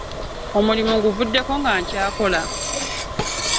Omulimu guvuddeko nga nkyakola.